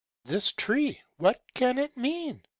This tree what can it mean?